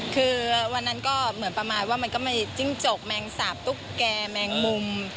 คือวันนั้นก็เหมือนประมาณว่ามันก็มีจิ้งจกแมงสาบตุ๊กแก่แมงมุม